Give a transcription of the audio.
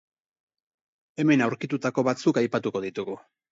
Hemen aurkitutako batzuk aipatuko ditugu.